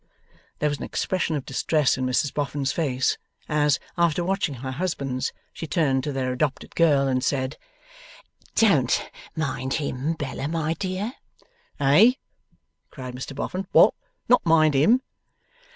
There was an expression of distress in Mrs Boffin's face, as, after watching her husband's, she turned to their adopted girl, and said: 'Don't mind him, Bella, my dear.' 'Eh?' cried Mr Boffin. 'What! Not mind him?